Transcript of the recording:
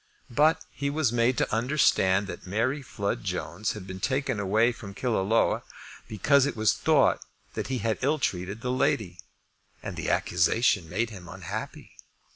But he was made to understand that Mary Flood Jones had been taken away from Killaloe because it was thought that he had ill treated the lady, and the accusation made him unhappy.